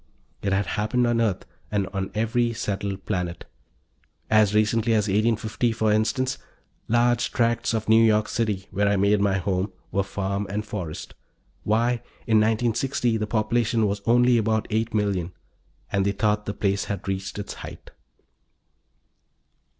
It had happened on Earth, and on every settled planet. As recently as 1850, for instance, large tracts of New York City, where I make my home, were farm and forest; why, in 1960 the population was only about eight million, and they thought the place had reached its height.